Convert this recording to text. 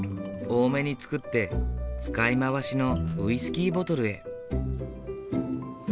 多めに作って使い回しのウイスキーボトルへ。